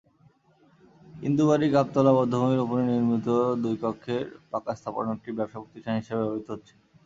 ইন্দুবাড়ি গাবতলা বধ্যভূমির ওপর নির্মিত দুই কক্ষের পাকা স্থাপনাটি ব্যবসাপ্রতিষ্ঠান হিসেবে ব্যবহৃত হচ্ছে।